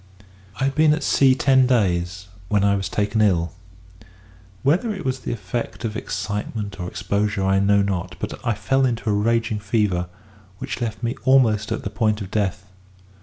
"I had been at sea ten days, when I was taken ill. Whether it was the effect of excitement or exposure I know not; but I fell into a raging fever, which left me almost at the point of death.